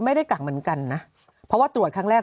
กักเหมือนกันนะเพราะว่าตรวจครั้งแรก